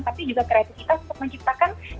tapi juga kreatifitas untuk menciptakan keadaan